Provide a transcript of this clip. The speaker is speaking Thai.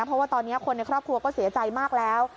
เพราะว่าตอนนี้คนในครอบครัวก็เสียใจมากแล้ว